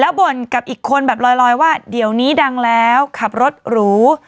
บ่นกับอีกคนแบบลอยว่าเดี๋ยวนี้ดังแล้วขับรถหรู